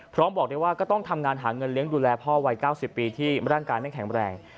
บอกได้ว่าก็ต้องทำงานหาเงินเลี้ยงดูแลพ่อวัย๙๐ปีที่ร่างกายไม่แข็งแรง